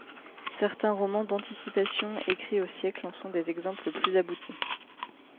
Certains romans d'Anticipations écrits au siècle en sont des exemples plus aboutis.